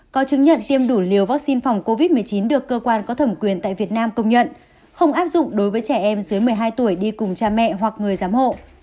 có chứng nhận tiêm đủ liều vaccine phòng covid một mươi chín được cơ quan có thẩm quyền tại việt nam công nhận không áp dụng đối với trẻ em dưới một mươi hai tuổi đi cùng cha mẹ hoặc người giám hộ